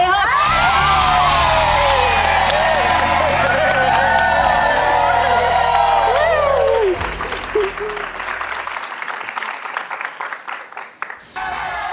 จานสุดท้ายนะคะ